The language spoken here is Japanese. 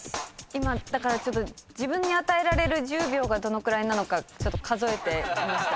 今だから自分に与えられる１０秒がどのくらいなのかちょっと数えていました。